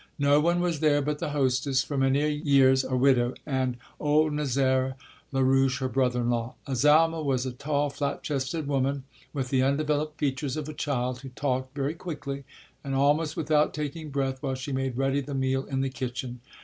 No one was there but the hostess, for many years a widow, and old Nazaire Larouche, her brother in law. Azalma was a tall, flat chested woman with the undeveloped features of a child, who talked very quickly and almost without taking breath while she made ready the meal in the kitchen.